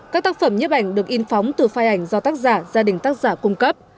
các tác phẩm nhiếp ảnh được in phóng từ phai ảnh do tác giả gia đình tác giả cung cấp